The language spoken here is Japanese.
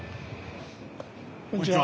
こんにちは。